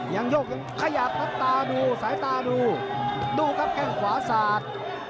โยกยังขยับครับตาดูสายตาดูดูครับแข้งขวาสาด